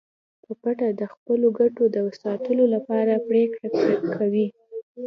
په پټه د خپلو ګټو د ساتلو لپاره پریکړې کوي